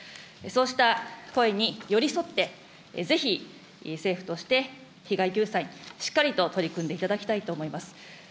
そうした声に寄り添って、ぜひ、政府として被害救済、しっかりと取り組んでいただきたいと思います。